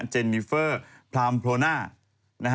เจนิเฟอร์พลามโพรน่า